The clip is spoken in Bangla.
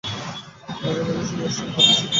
মাঝে-মাঝে শুধু অষ্টম খণ্ডে চোখ বুলিয়ে যান।